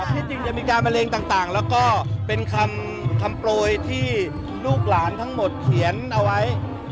ที่จริงจะมีการมะเร็งต่างแล้วก็เป็นคำโปรยที่ลูกหลานทั้งหมดเขียนเอาไว้